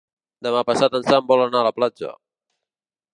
Demà passat en Sam vol anar a la platja.